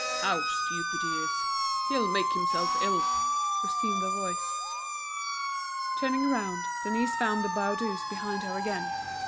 "How stupid he is, he'll make himself ill," resumed the voice. Turning round, Denise found the Baudus behind her again.